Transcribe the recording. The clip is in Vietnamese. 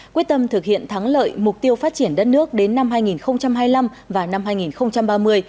quyết tâm thực hiện thắng lợi mục tiêu phát triển đất nước đến năm hai nghìn hai mươi năm và năm hai nghìn ba mươi